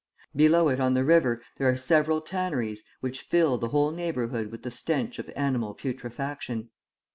Below it on the river there are several tanneries which fill the whole neighbourhood with the stench of animal putrefaction.